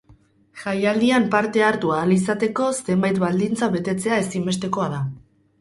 Jaialdian parte hartu ahal izateko zenbait baldintza betetzea ezinbestekoa da.